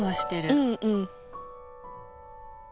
うんうん。